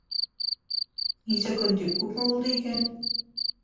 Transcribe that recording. — Нисә көн тип, күпме булды икән.